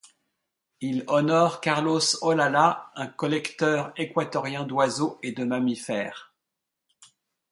Il honore Carlos Olalla, un collecteur équatorien d'oiseaux et de mammifères.